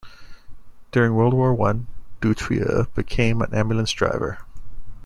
During World War One Dutrieu became an ambulance driver.